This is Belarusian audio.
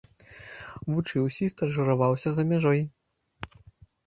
Вучыўся і стажыраваўся за мяжой.